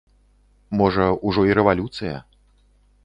Можа, ужо і рэвалюцыя.